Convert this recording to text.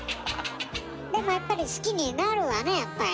でもやっぱり好きになるわねやっぱりね。